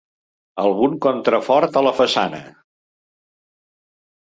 Algun contrafort a la façana.